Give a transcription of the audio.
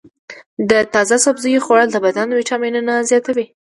د تازه سبزیو خوړل د بدن ویټامینونه زیاتوي.